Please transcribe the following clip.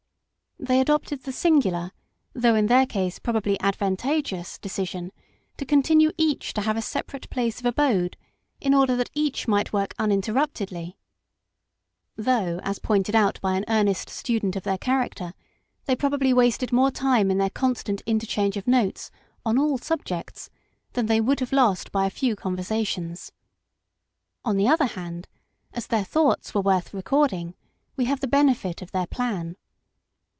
They adopted the singular, though in their case probably advantageous, decision to continue each to have a separate place of abode, in order that each miylit work uninterruptedly, though, as pointed out 2 ::: 20 MRS. SHELLEY. by an earnest student of their character, they probably wasted more time in their constant interchange of notes on all subjects than they would have lost by a few con versations. On the other hand, as their thoughts were worth recording, we have the benefit of their plan.